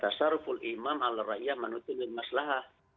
tasaruful imam halor rakyat menutupi masalah